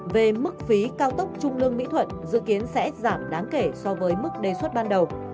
về mức phí cao tốc trung lương mỹ thuận dự kiến sẽ giảm đáng kể so với mức đề xuất ban đầu